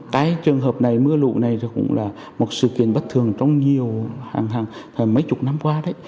cái trường hợp này mưa lũ này cũng là một sự kiện bất thường trong nhiều hàng mấy chục năm qua đấy